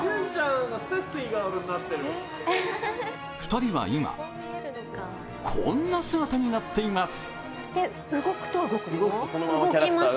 ２人は今、こんな姿になっています。